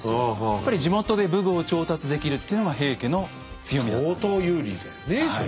やっぱり地元で武具を調達できるっていうのは平家の強みだったんです。